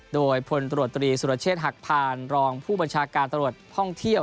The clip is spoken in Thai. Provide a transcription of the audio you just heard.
โดยพลตรวจตรีสุรเชษฐ์หักพานรองผู้บัญชาการตำรวจท่องเที่ยว